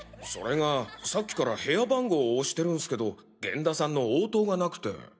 それがさっきから部屋番号を押してるんスけど源田さんの応答がなくて。